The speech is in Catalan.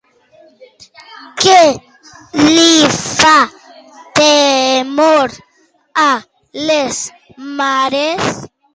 Què li fa temor a les mares?